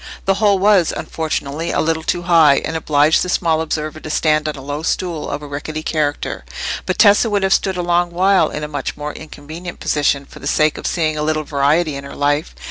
The hole was, unfortunately, a little too high, and obliged the small observer to stand on a low stool of a rickety character; but Tessa would have stood a long while in a much more inconvenient position for the sake of seeing a little variety in her life.